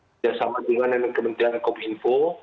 kerjasama dengan kementerian kominfo